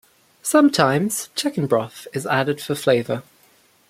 Sometimes chicken broth is added for flavor.